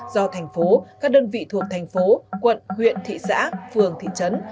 do thành phố các đơn vị thuộc thành phố quận huyện thị xã phường thị trấn